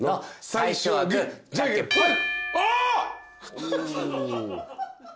最初はグーじゃんけんぽん。